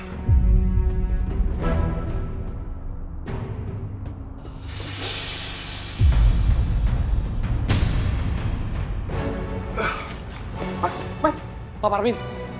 mas mas pak parmin